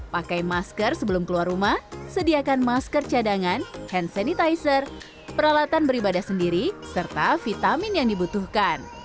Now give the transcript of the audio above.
pakai masker sebelum keluar rumah sediakan masker cadangan hand sanitizer peralatan beribadah sendiri serta vitamin yang dibutuhkan